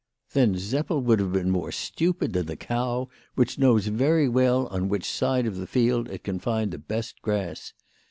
" Then Seppel would have been more stupid than the cow, which knows very well on which side of the field it can find the best grass.